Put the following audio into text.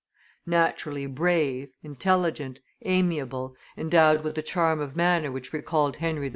Naturally brave, intelligent, amiable, endowed with a charm of manner which recalled Henry IV.